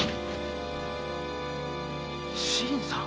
新さん？